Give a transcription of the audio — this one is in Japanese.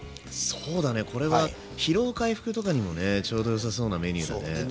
そうだねこれは疲労回復とかにもねちょうどよさそうなメニューだね。